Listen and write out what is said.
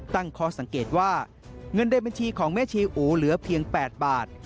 ตั้งข้อสังเกตว่าเงินในบัญชีของแม่ชีอู๋เหลือเพียง๘บาท